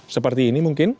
seperti ini mungkin